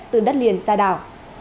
từ đất liền ra đảo